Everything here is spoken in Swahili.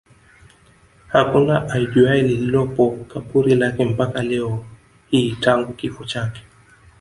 Hakuna ajuaye lilipo kaburi lake mpaka leo hii tangu kifo chake